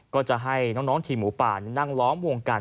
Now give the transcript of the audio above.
ก็จะให้น้องทีมหมูป่านั่งล้อมวงกัน